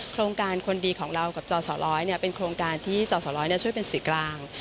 โครงการคนดีของเรากับจอสร้อยเป็นโครงการที่จอสร้อยช่วยเป็นสื่อกลาง